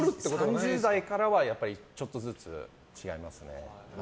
３０代からはちょっとずつ違いますね。